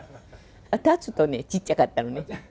立つとね、ちっちゃかったのね。